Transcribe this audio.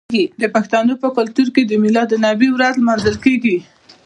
د پښتنو په کلتور کې د میلاد النبي ورځ لمانځل کیږي.